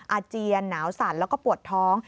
อาเจียนหนาวสั่นแล้วก็ปวดท้อง